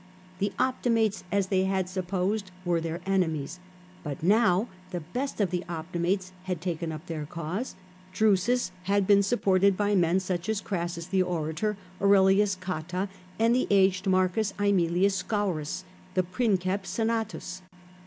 The Optimates, as they had supposed, were their enemies : but now the best of the Optimates had taken up their cause : Drusus had been supported by men sucb as Crassus the orator, Aurelius Ootta, and the aged IL Aemilins Scaurus, the •princejps senatus.